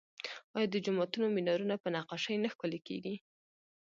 آیا د جوماتونو مینارونه په نقاشۍ نه ښکلي کیږي؟